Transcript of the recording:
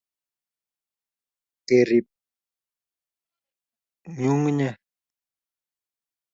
Kerip nyukunyek